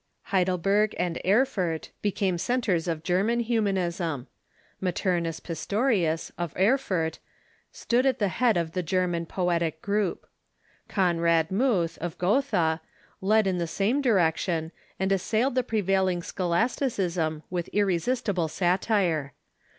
Heidelberg and Erfurt became centres of German Humanism. Maternus Pistorius, of Erfurt, stood at the head of the German poetic THE HUMANISM OF ITALY 211 group. Konrad Muth, of Gotha, led in tlie same direction, and assailed the prevailing scholasticism with irresistible satire.